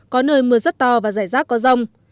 có nơi mưa rất to và rải rác có rông